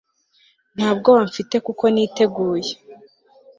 nta bwoba mfite kuko niteguye